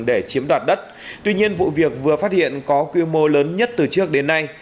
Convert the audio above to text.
để chiếm đoạt đất tuy nhiên vụ việc vừa phát hiện có quy mô lớn nhất từ trước đến nay